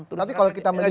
tapi kalau kita melihat